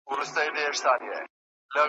کله کله پر خپل ځای باندي درېږي ,